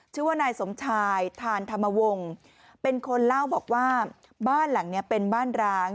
ชื่อว่านายสมชายทานธรรมวงศ์เป็นคนเล่าบอกว่าบ้านหลังนี้เป็นบ้านร้าง